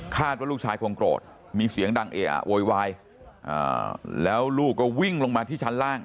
ว่าลูกชายคงโกรธมีเสียงดังเออะโวยวายแล้วลูกก็วิ่งลงมาที่ชั้นล่าง